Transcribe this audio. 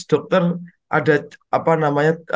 dokter ada apa namanya